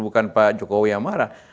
bukan pak jokowi yang marah